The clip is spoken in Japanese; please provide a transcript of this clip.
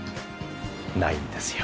ないんですよ。